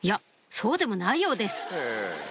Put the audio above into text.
そうでもないようです